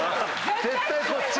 絶対こっち！